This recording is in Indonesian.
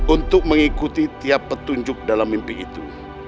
untuk mengikuti tiap petunjuk dalam mimpi itu